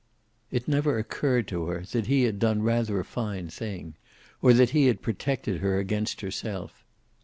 It never occurred to her that he had done rather a fine thing, or that he had protected her against herself.